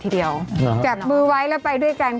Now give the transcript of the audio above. ปีนี้เร็วกว่าเยอะเนอะ